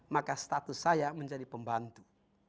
maka status saya menjadi pembantu